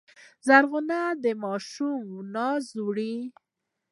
غوږونه د ماشوم ناز اوري